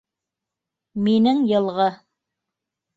Минең йылғы.